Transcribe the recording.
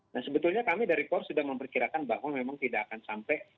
nah sebetulnya kami dari por sudah memperkirakan bahwa memang tidak akan sampai